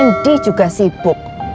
randy juga sibuk